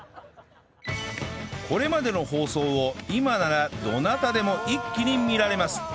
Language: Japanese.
これまでの放送を今ならどなたでもイッキに見られます